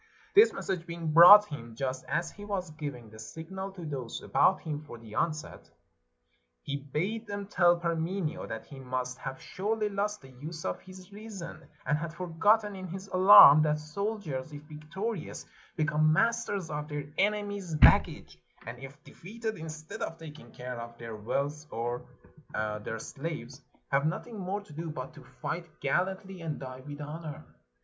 This message being brought him just as he was giNing the signal to those about him for the onset, he bade them tell Par menio that he must have surely lost the use of his reason, and had forgotten, in his alarm, that soldiers, if \'ictori ous, become masters of their enemies' baggage; and if defeated, instead of taking care of their wealth or their 372 THE LAST KING OF PERSIA slaves, have nothing more to do but to fight gallantly and die with honor.